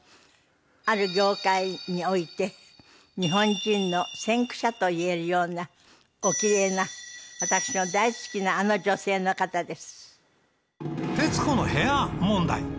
ある業界において日本人の先駆者といえるようなおきれいな私の大好きなあの女性の方です。